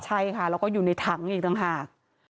ใช่ค่ะแล้วก็อยู่ในถังอีกต่างหาก